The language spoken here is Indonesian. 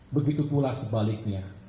begitu pula sebaliknya